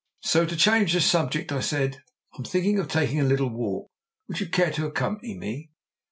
So to change the subject I said, "I'm thinking of taking a little walk. Would you care to accompany me?"